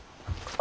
あ。